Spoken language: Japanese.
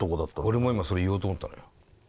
俺も今それ言おうと思ったのよ。